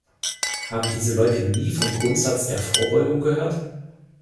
Haben diese Leute nie vom Grundsatz der Vorbeugung gehört?